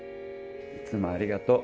いつもありがとう。